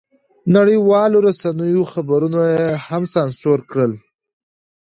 نړیوالو رسنیو خبرونه یې هم سانسور کړل.